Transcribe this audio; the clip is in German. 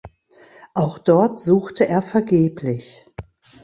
Auch dort suchte er vergeblich.